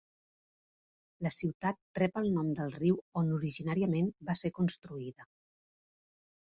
La ciutat rep el nom del riu on originàriament va ser construïda.